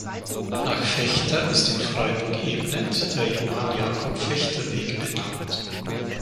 Nach Fechter ist in Freiburg-Ebnet der Johann-Jakob-Fechter-Weg benannt.